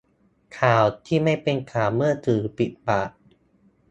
ข่าวที่ไม่เป็นข่าวเมื่อสื่อปิดปาก